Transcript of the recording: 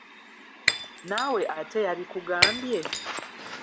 Naawe ate yabikugambye?